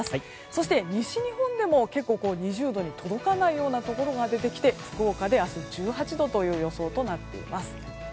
そして、西日本でも結構、２０度に届かないようなところが出てきて福岡では明日１８度という予想となっています。